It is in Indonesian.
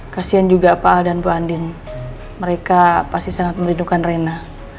kasihan juga pak dan bu anding mereka pasti sangat merindukan reina